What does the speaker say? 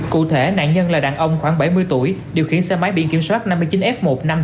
cụ thể nạn nhân là đàn ông khoảng bảy mươi tuổi điều khiển xe máy bị kiểm soát năm mươi chín f một năm nghìn chín trăm tám mươi